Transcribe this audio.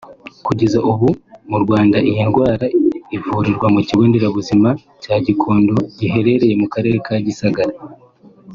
Kugeza ubu mu Rwanda iyi ndwara ivurirwa mu kigo nderabuzima cya Gikonko giherereye mu Karere ka Gisagara